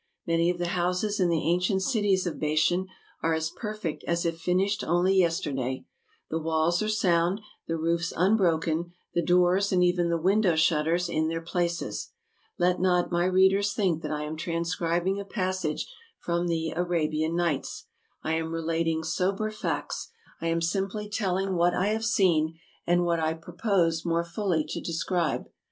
Many of the houses in the ancient cities of Bashan are as perfect as if finished only yesterday. The walls are sound, the roofs unbroken, the doors, and even the window shutters, in their places. Let not my readers think that I am transcribing a passage from the " Arabian Nights. " I am relating sober facts; I am simply telling what I have seen, and what I purpose more fully to describe.